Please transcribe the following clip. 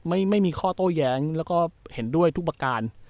ไม่มีข้อโต้แย้งแล้วก็เห็นด้วยทุกประการ